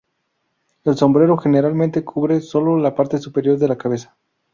El sombrero generalmente cubre sólo la parte superior de la cabeza.